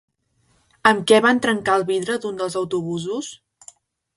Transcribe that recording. Amb què van trencar el vidre d'un dels autobusos?